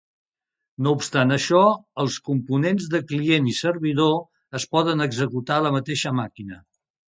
No obstant això, els components de client i servidor es poden executar a la mateixa màquina.